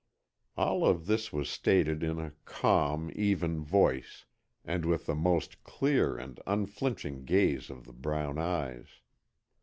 All of this was stated in a calm, even voice, and with the most clear and unflinching gaze of the brown eyes.